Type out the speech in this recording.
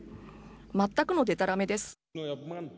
全くの、でたらめです。